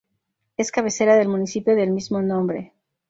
Es cabecera del municipio del mismo nombre.